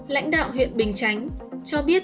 lãnh đạo huyện bình chánh cho biết